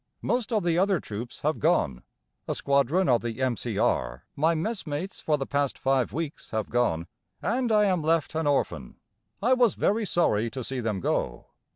Most of the other troops have gone. A squadron of the M.C.R., my messmates for the past five weeks, have gone and I am left an orphan. I was very sorry to see them go.